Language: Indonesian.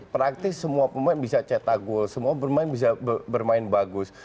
praktis semua pemain bisa cetak gol semua bermain bisa bermain bagus